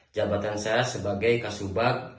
jabatan saya sebagai kasubag